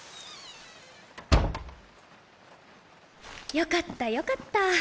よかったよかった。